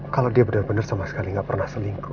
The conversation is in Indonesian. kalau dia benar benar sama sekali nggak pernah selingkuh